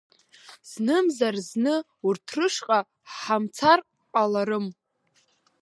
Знымзар-зны урҭ рышҟа ҳамцар ҟаларым.